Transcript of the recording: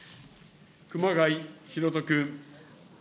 熊谷裕人君。